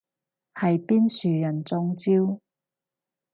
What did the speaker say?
係邊樹人中招？